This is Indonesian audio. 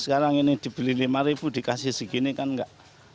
sekarang ini dibeli rp lima dikasih segini kan enggak